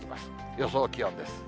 予想気温です。